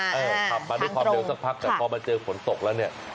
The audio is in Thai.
ขับมาด้วยความเร็วสักพักแต่พอมาเจอฝนตกแล้วเนี่ย